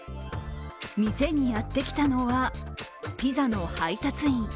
店にやってきたのはピザの配達員。